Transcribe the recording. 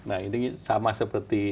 nah ini sama seperti